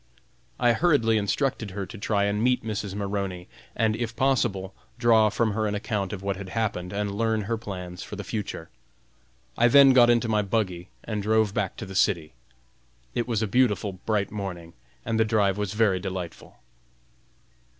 I hurriedly instructed her to try and meet Mrs. Maroney, and if possible draw from her an account of what had happened and learn her plans for the future. I then got into my buggy and drove back to the city. It was a beautiful, bright morning, and the drive was very delightful.